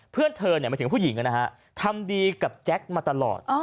เพื่อนเธอหมายถึงผู้หญิงนะฮะทำดีกับแจ๊คมาตลอด